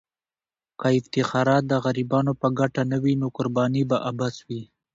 که افتخارات د غریبانو په ګټه نه وي، نو قرباني به عبث وي.